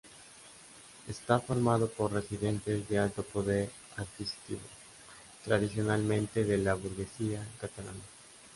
Está formado por residentes de alto poder adquisitivo, tradicionalmente de la burguesía catalana.